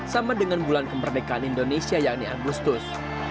sama dengan bulan kemerdekaan indonesia yang di agustus